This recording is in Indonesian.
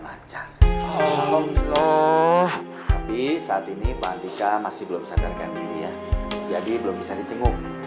lancar alhamdulillah tapi saat ini